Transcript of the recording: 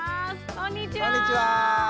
こんにちは。